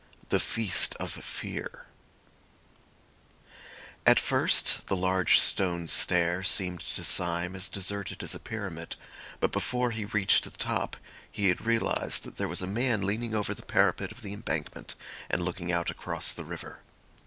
THE FEAST OF FEAR At first the large stone stair seemed to Syme as deserted as a pyramid; but before he reached the top he had realised that there was a man leaning over the parapet of the Embankment and looking out across the river.